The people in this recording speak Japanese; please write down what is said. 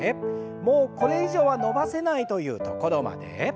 もうこれ以上は伸ばせないというところまで。